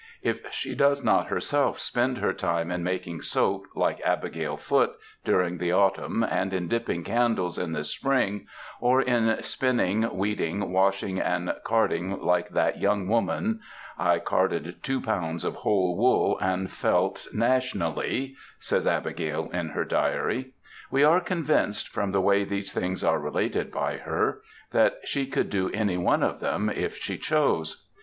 If she does not herself spend her time in making soap, like Abigail Foote, during the autumn, and in dipping candles in the spring, or in spinning, weeding, washing, and carding like that yoimg woman ŌĆö ^* I carded two pounds of whole woole, and felt Nationly,^^ says Abigail in her diary ŌĆö we are convinced from the way these things are related by her, that she could do any one of them if she chose.